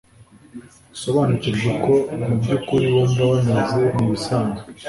usobanukirwe uko mu by ukuri bumva bameze Ni ibisanzwe